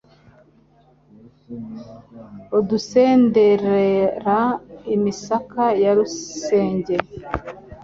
Adusendera imisaka ya Rusenge.